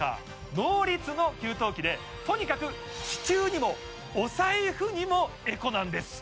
ノーリツの給湯器でとにかく地球にもお財布にもエコなんです